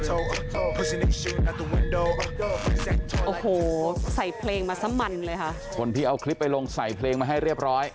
โอ้โหใส่เพลงมาซะมันเลยค่ะคนที่เอาคลิปไปลงใส่เพลงมาให้เรียบร้อย